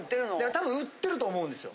多分売ってると思うんですよ。